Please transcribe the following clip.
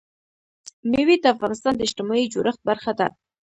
مېوې د افغانستان د اجتماعي جوړښت برخه ده.